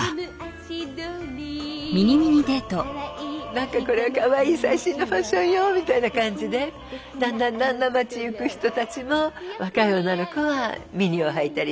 なんかこれはかわいい最新のファッションよみたいな感じでだんだんだんだん街行く人たちも若い女の子はミニをはいたりして。